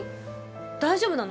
大丈夫なの？